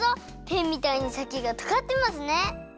ペンみたいにさきがとがってますね。